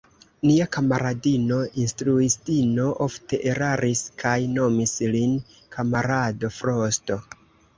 Nia kamaradino instruistino ofte eraris kaj nomis lin kamarado Frosto.